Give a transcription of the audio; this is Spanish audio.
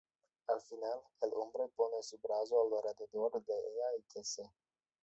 Al final, el hombre pone su brazo alrededor de ella y que se